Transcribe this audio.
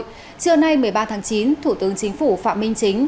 trưa nay một mươi ba tháng chín thủ tướng chính phủ phạm minh chính